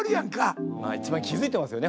一番気付いてますよね